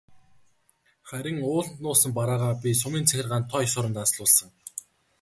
Харин ууланд нуусан бараагаа би сумын захиргаанд тоо ёсоор нь данслуулсан.